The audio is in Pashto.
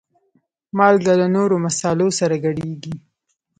مالګه له نورو مصالحو سره ګډېږي.